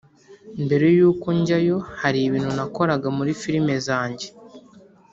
Mbere y’uko njyayo hari ibintu nakoraga muri film zanjye